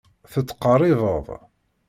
Tettqerribeḍ.